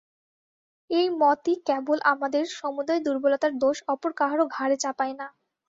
এই মতই কেবল আমাদের সমুদয় দুর্বলতার দোষ অপর কাহারও ঘাড়ে চাপায় না।